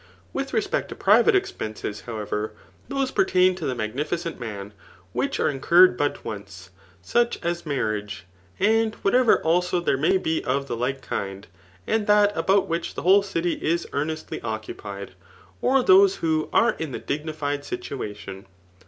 . With respect to private e3q>en8e8^ however, those per tain to the magnificent man, iHueh are incurred but once ; such as marriage, and whatever also there may be of die like kind, and diat about which the whole city is ear* Qestly OGCujHed, or those vdK> are in a dignified situadpn.